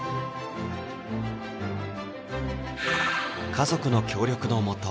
家族の協力のもと